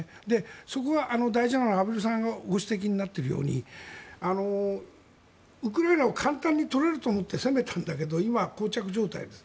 そこは大事なのは、畔蒜さんがご指摘になっているようにウクライナを簡単に取れると思って攻めたんだけど今、こう着状態です。